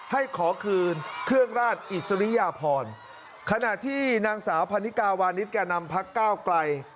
ให้ขอคืนเครื่องราชอิสริยพรขณะที่นางสาวพันนิกาวานิสแก่นำพักก้าวไกล